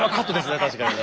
確かにね。